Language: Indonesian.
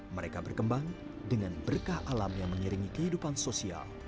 mereka berkembang dengan berkah alam yang mengiringi kehidupan sosial